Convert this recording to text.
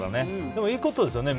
でも、いいことですよね。